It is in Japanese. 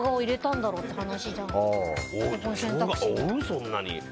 そんなに。